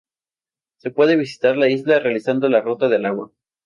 Se puede visitar la isla realizando la "Ruta del Agua".